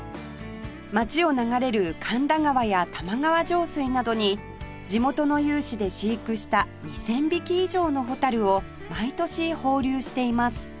街を流れる神田川や玉川上水などに地元の有志で飼育した２０００匹以上のホタルを毎年放流しています